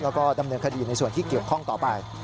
แล้วก็ดำเนินคดีในส่วนที่เกี่ยวข้องต่อไป